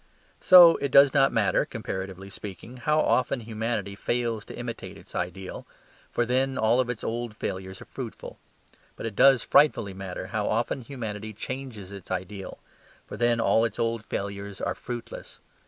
So it does not matter (comparatively speaking) how often humanity fails to imitate its ideal; for then all its old failures are fruitful. But it does frightfully matter how often humanity changes its ideal; for then all its old failures are fruitless.